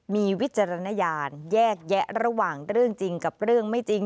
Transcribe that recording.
มีวิจารณญาณแยกแยะระหว่างเรื่องจริงกับเรื่องไม่จริง